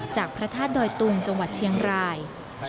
พระธาตุดอยตุงจังหวัดเชียงราย